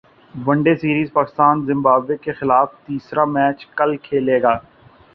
one day سیریزپاکستان Zimbabwe کیخلاف تیسرا match کل کھیلے گا